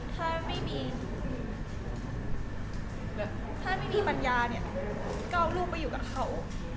ถ้าไม่มีถ้าไม่มีปัญญาเนี่ยก็เอาลูกไปอยู่กับเขา